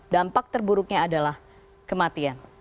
dampak terburuknya adalah kematian